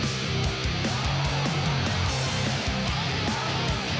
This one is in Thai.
สวัสดีครับ